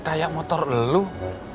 kayak motor leluh